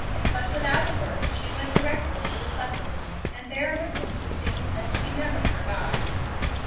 But without a word she went directly to the supper room; and there witnessed a scene that she never forgot.